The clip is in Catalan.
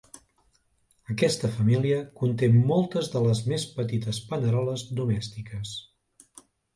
Aquesta família conté moltes de les més petites paneroles domèstiques.